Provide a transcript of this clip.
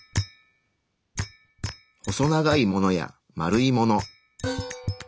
細長いものや丸いもの。